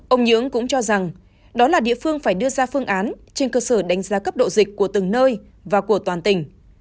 ông nhưỡng cũng cho rằng đó là địa phương phải đưa ra phương án trên cơ sở đánh giá cấp độ dịch của từng nơi và của toàn tỉnh